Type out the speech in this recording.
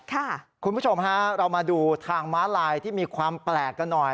คุณผู้ชมฮะเรามาดูทางม้าลายที่มีความแปลกกันหน่อย